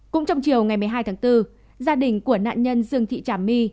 cũng trong chiều ngày một mươi hai tháng bốn gia đình của nạn nhân dương thị trả my